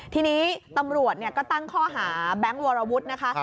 ทีนี้ตำรวจก็ตั้งข้อหาแบงค์วรวุฒินะคะ